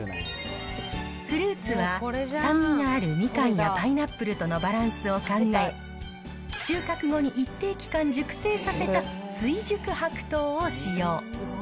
フルーツは、酸味があるみかんやパイナップルとのバランスを考え、収穫後に一定期間熟成させた追熟白桃を使用。